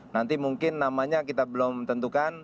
nanti mungkin namanya kita belum tentukan